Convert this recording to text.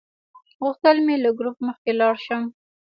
غوښتل مې له ګروپ مخکې لاړ شم.